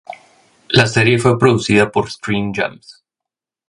La serie fue producida por Screen Gems.